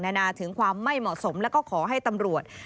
นานาถึงความไม่เหมาะสมแล้วก็ขอให้ตำรวจ